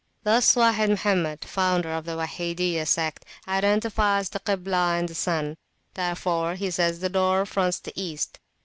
Thus Wahid Mohammed, founder of the Wahidiyah sect, identifies the Kiblah and the sun; wherefore he says the door fronts the East.